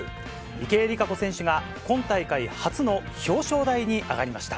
池江璃花子選手が今大会初の表彰台に上がりました。